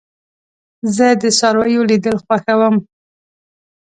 زه د څارويو لیدل خوښوم.